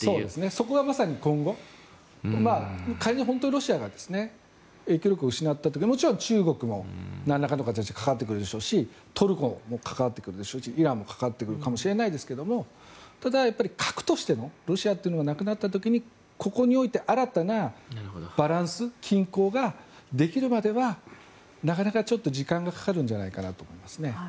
そこがまさに今後仮に、本当にロシアが影響力を失ったらもちろん中国も何らかの形で関わってくるでしょうしトルコもイランも関わってくるかもしれないですけどただ、核としてのロシアがなくなった時に、ここにおいての新たなバランス均衡ができるまではなかなか、ちょっと時間がかかるんじゃないかと思いますね。